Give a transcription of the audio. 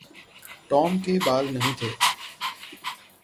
Tom के बाल नही थे ।